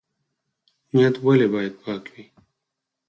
نیت ولې باید پاک وي؟